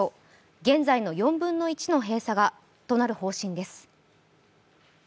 現在の４分の１が閉鎖となる方針です。